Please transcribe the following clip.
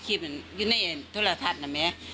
ใช่มันตายไปแล้ว